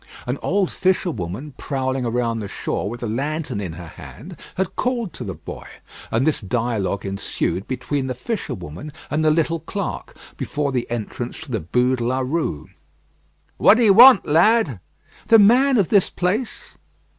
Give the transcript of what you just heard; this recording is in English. An old fisherwoman prowling about the shore with a lantern in her hand, had called to the boy, and this dialogue ensued between the fisherwoman and the little clerk, before the entrance to the Bû de la Rue: "What d'ye want, lad?" "The man of this place."